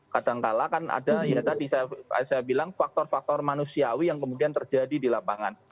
kadangkala kan ada ya tadi saya bilang faktor faktor manusiawi yang kemudian terjadi di lapangan